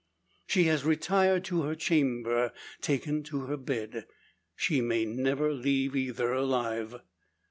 She has retired to her chamber taken to her bed; she may never leave either alive.